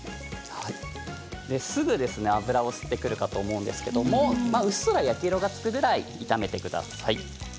すぐ油を吸ってくるかと思うんですけどうっすら焼き色がつくぐらい炒めてください。